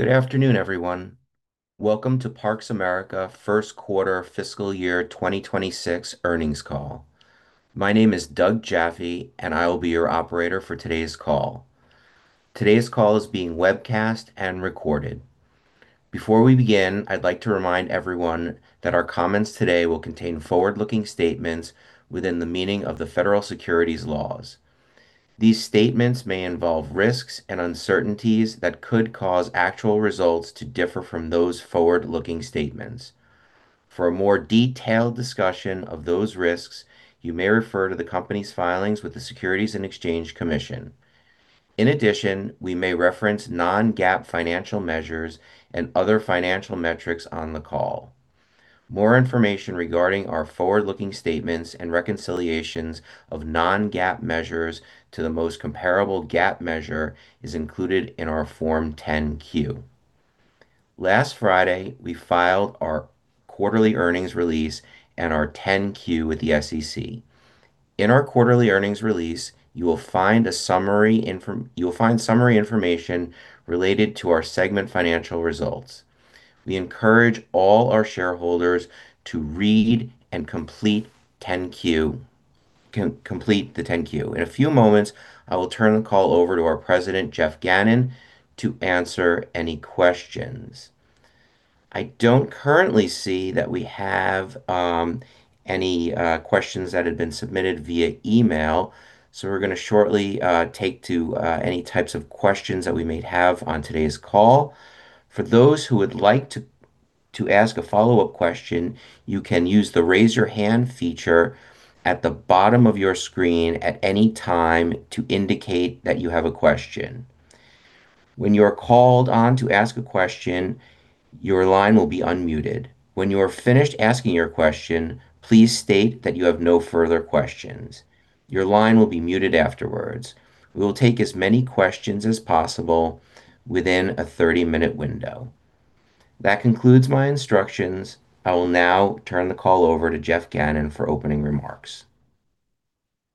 Good afternoon, everyone. Welcome to Parks! America first quarter fiscal year 2026 earnings call. My name is Doug Jaffe, and I will be your operator for today's call. Today's call is being webcast and recorded. Before we begin, I'd like to remind everyone that our comments today will contain forward-looking statements within the meaning of the Federal Securities Laws. These statements may involve risks and uncertainties that could cause actual results to differ from those forward-looking statements. For a more detailed discussion of those risks, you may refer to the company's filings with the Securities and Exchange Commission. In addition, we may reference non-GAAP financial measures and other financial metrics on the call. More information regarding our forward-looking statements and reconciliations of non-GAAP measures to the most comparable GAAP measure is included in our Form 10-Q. Last Friday, we filed our Quarterly Earnings Release and our 10-Q with the SEC. In our Quarterly Earnings Release, you will find a summary information related to our segment financial results. We encourage all our shareholders to read and complete the 10-Q. In a few moments, I will turn the call over to our President, Geoff Gannon, to answer any questions. I don't currently see that we have any questions that had been submitted via email, so we're going to shortly take to any types of questions that we may have on today's call. For those who would like to ask a follow-up question, you can use the raise your hand feature at the bottom of your screen at any time to indicate that you have a question. When you are called on to ask a question, your line will be unmuted. When you are finished asking your question, please state that you have no further questions. Your line will be muted afterwards. We will take as many questions as possible within a 30-minute window. That concludes my instructions. I will now turn the call over to Geoff Gannon for opening remarks.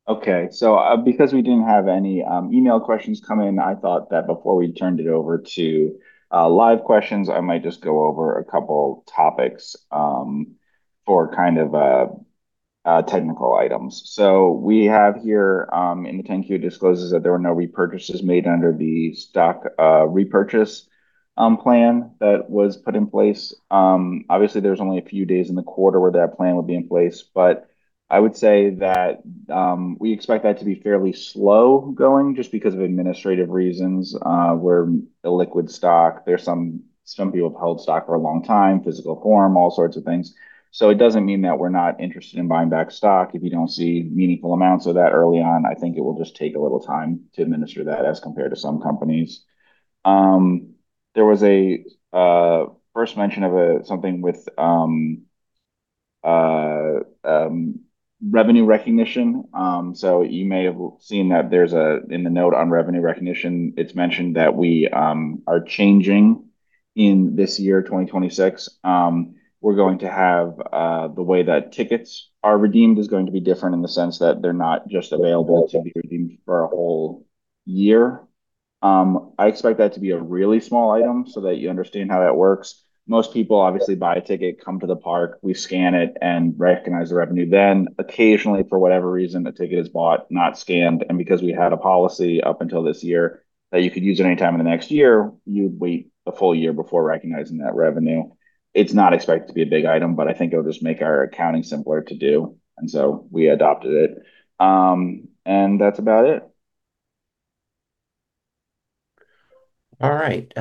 Okay. So because we didn't have any email questions come in, I thought that before we turned it over to live questions, I might just go over a couple topics for kind of technical items. So we have here in the 10-Q disclosures that there were no repurchases made under the stock repurchase plan that was put in place. Obviously, there's only a few days in the quarter where that plan would be in place, but I would say that we expect that to be fairly slow going just because of administrative reasons. We're illiquid stock. Some people have held stock for a long time, physical form, all sorts of things. So it doesn't mean that we're not interested in buying back stock. If you don't see meaningful amounts of that early on, I think it will just take a little time to administer that as compared to some companies. There was a first mention of something with revenue recognition. So you may have seen that in the note on revenue recognition; it's mentioned that we are changing in this year, 2026. We're going to have the way that tickets are redeemed is going to be different in the sense that they're not just available to be redeemed for a whole year. I expect that to be a really small item so that you understand how that works. Most people obviously buy a ticket, come to the park, we scan it, and recognize the revenue. Then occasionally, for whatever reason, a ticket is bought, not scanned. And because we had a policy up until this year that you could use it anytime in the next year, you'd wait a full year before recognizing that revenue. It's not expected to be a big item, but I think it'll just make our accounting simpler to do, and so we adopted it. That's about it. All right.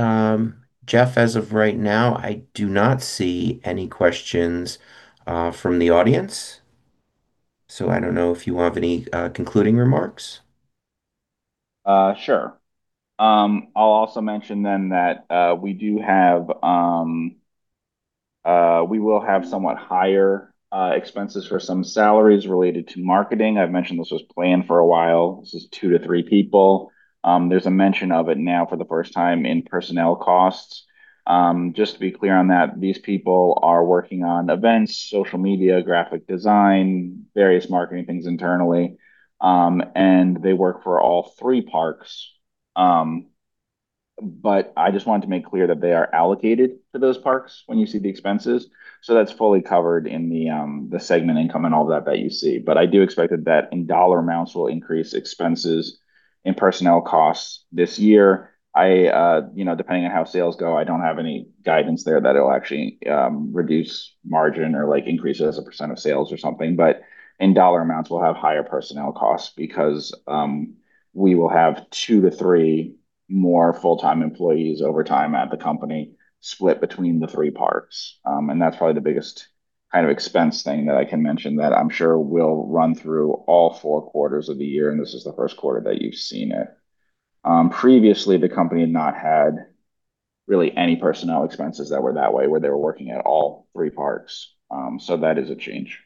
Geoff, as of right now, I do not see any questions from the audience. So I don't know if you have any concluding remarks. Sure. I'll also mention then that we will have somewhat higher expenses for some salaries related to marketing. I've mentioned this was planned for a while. This is two to three people. There's a mention of it now for the first time in personnel costs. Just to be clear on that, these people are working on events, social media, graphic design, various marketing things internally. And they work for all three parks. But I just wanted to make clear that they are allocated to those parks when you see the expenses. So that's fully covered in the segment income and all of that that you see. But I do expect that in dollar amounts, we'll increase expenses in personnel costs this year. Depending on how sales go, I don't have any guidance there that it'll actually reduce margin or increase it as a percent of sales or something. But in dollar amounts, we'll have higher personnel costs because we will have two to three more full-time employees over time at the company split between the three parks. And that's probably the biggest kind of expense thing that I can mention that I'm sure we'll run through all four quarters of the year, and this is the first quarter that you've seen it. Previously, the company had not had really any personnel expenses that were that way where they were working at all three parks. So that is a change.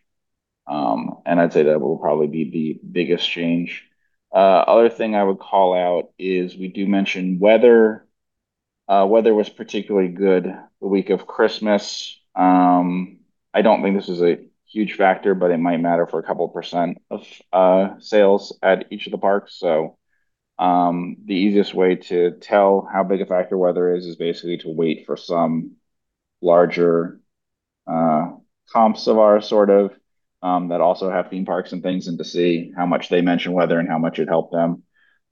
And I'd say that will probably be the biggest change. Other thing I would call out is we do mention weather was particularly good the week of Christmas. I don't think this is a huge factor, but it might matter for a couple % of sales at each of the parks. So the easiest way to tell how big a factor weather is is basically to wait for some larger comps of our sort of that also have theme parks and things and to see how much they mention weather and how much it helped them.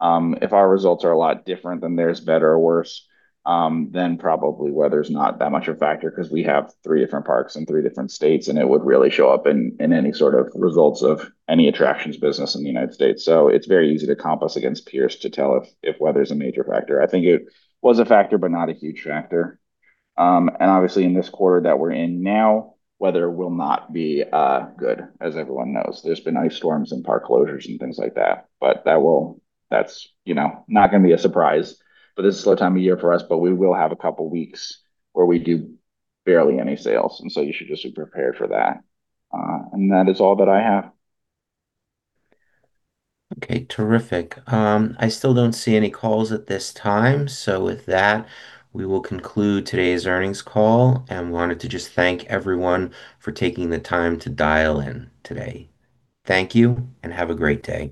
If our results are a lot different than theirs, better or worse, then probably weather's not that much of a factor because we have three different parks in three different states, and it would really show up in any sort of results of any attractions business in the United States. So it's very easy to comp us against peers to tell if weather's a major factor. I think it was a factor, but not a huge factor. And obviously, in this quarter that we're in now, weather will not be good, as everyone knows. There's been ice storms and park closures and things like that. That's not going to be a surprise. But this is a slow time of year for us, but we will have a couple weeks where we do barely any sales. So you should just be prepared for that. That is all that I have. Okay. Terrific. I still don't see any calls at this time. So with that, we will conclude today's earnings call. Wanted to just thank everyone for taking the time to dial in today. Thank you, and have a great day.